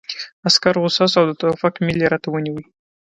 عسکر غوسه شو او د ټوپک میل یې راته ونیو